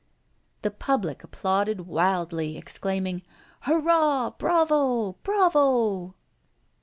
The public applauded wildly, exclaiming: "Hurrah! Bravo! bravo!"